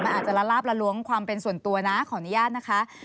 มันอาจจะละลาบละล้วงความเป็นส่วนตัวนะขออนุญาตนะคะ